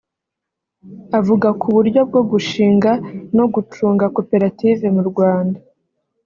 Avuga ku buryo bwo gushinga no gucunga koperative mu Rwanda